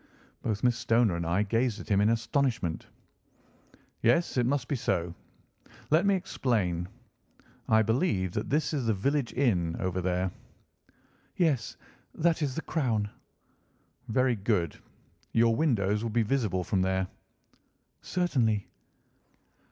Both Miss Stoner and I gazed at him in astonishment. "Yes, it must be so. Let me explain. I believe that that is the village inn over there?" "Yes, that is the Crown." "Very good. Your windows would be visible from there?" "Certainly."